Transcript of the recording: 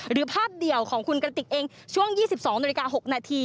หรือภาพเดียวของคุณกระติกเองช่วง๒๒น๖น